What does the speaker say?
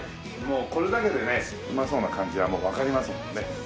もうこれだけでねうまそうな感じはもうわかりますもんね。